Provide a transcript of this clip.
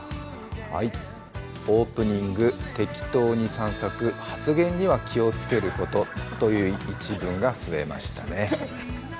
オープニング適当に散策発言には気をつけることという一文が増えましたね。